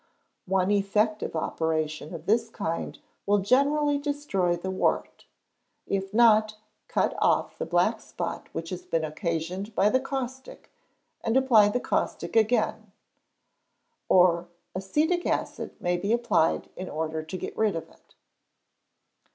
One effective operation of this kind will generally destroy the wart; if not, cut off the black spot which has been occasioned by the caustic, and apply the caustic again, or acetic acid may be applied in order to get rid of it.